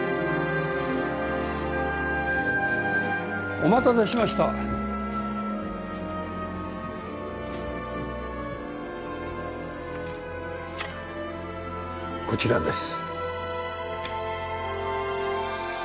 お待たせしましたこちらです